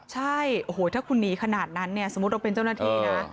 ใช่โอ้โหถ้าคุณหนีขนาดนั้นเนี่ยสมมุติเราเป็นเจ้าหน้าที่นะ